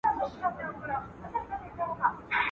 یا د جنګ پر ډګر موږ پهلواني کړه.